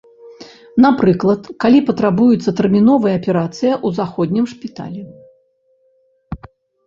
Напрыклад, калі патрабуецца тэрміновая аперацыя ў заходнім шпіталі.